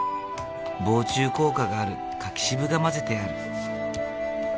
防虫効果がある柿渋が混ぜてある。